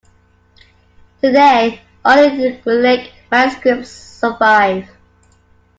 Today only Cyrillic manuscripts survive.